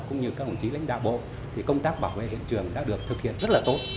cũng như các đồng chí lãnh đạo bộ thì công tác bảo vệ hiện trường đã được thực hiện rất là tốt